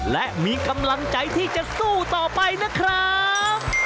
และมีกำลังใจที่จะสู้ต่อไปนะครับ